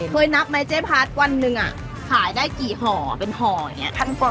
นับไหมเจ๊พัดวันหนึ่งขายได้กี่ห่อเป็นห่ออย่างนี้